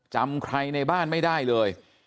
จำใครในบ้านไม่ได้เลย